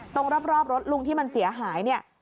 ตรงรอบรถลุงที่มันเสียหายเนี่ย